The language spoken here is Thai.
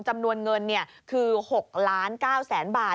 จำนวนเงินคือ๖๙๐๐๐๐๐บาท